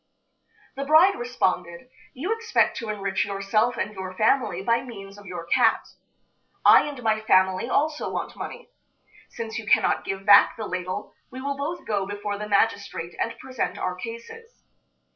The bride responded: "You expect to enrich yourself and your family by means of your cat. I and my family also want money. Since you cannot give back the ladle, we will both go before the magistrate and present our cases.